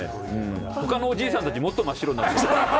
ほかのおじいさんたち、もっと真っ白になってましたよ。